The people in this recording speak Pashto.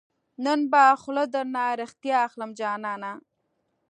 نن به خوله درنه ريښتیا اخلم جانانه